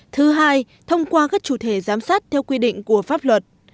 thứ hai thông qua các chủ thể giám sát theo quy định của pháp luật